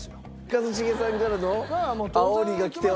一茂さんからのあおりがきております。